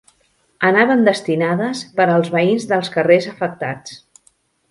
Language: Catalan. Anaven destinades per als veïns dels carrers afectats.